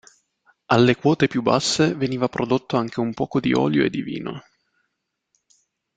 Alle quote più basse, veniva prodotto anche un poco di olio e di vino.